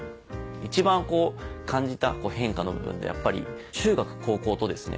一番感じた変化の部分で中学高校とですね